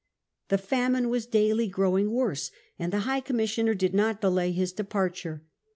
The famine was daily growing worse, and the high commissioner did not delay his departure.